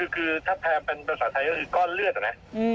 คือถ้าแรมเป็นภาษาไทยก็คือก้อนเลือดอะนะ